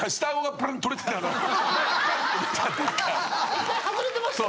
１回外れてましたよね。